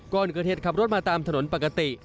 ก่อนเกิดเหตุขับรถมาตามถนนปกติ